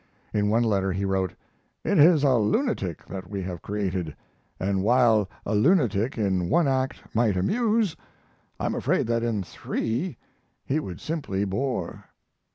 In one letter he wrote: "It is a lunatic that we have created, and while a lunatic in one act might amuse, I'm afraid that in three he would simply bore."